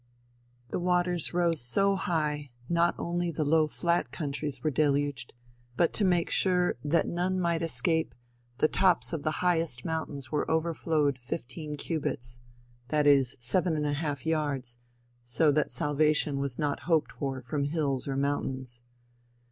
"The waters rose so high that not only the low flat countries were deluged, but to make sure work and that none might escape, the tops of the highest mountains were overflowed fifteen cubits. That is, seven and a half yards, so that salvation was not hoped for from hills or mountains.